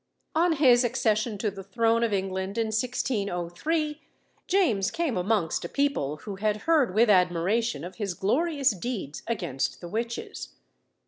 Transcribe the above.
On his accession to the throne of England in 1603, James came amongst a people who had heard with admiration of his glorious deeds against the witches.